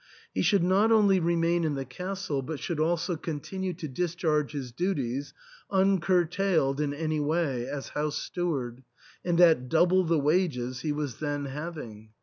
He should not only remain in the castle, but should also continue to discharge his duties, uncurtailed in any way, as house steward, and at double the wages he was then having.